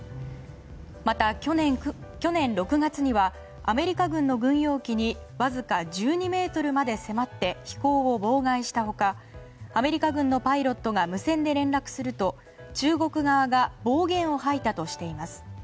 また去年６月にはアメリカ軍の軍用機にわずか１２ｍまで迫って飛行を妨害した他アメリカ軍のパイロットが無線で連絡すると中国側が暴言を吐いたとしています。